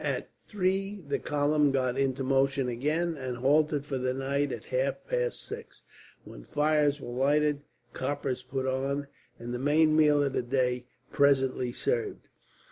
At three the column got into motion again, and halted for the night at half past six; when fires were lighted, coppers put on, and the main meal of the day presently served.